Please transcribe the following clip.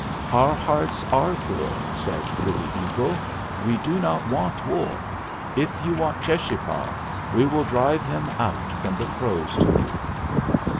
"Our hearts are good," said Pretty Eagle. "We do not want war. If you want Cheschapah, we will drive him out from the Crows to you."